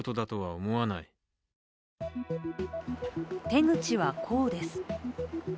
手口は、こうです。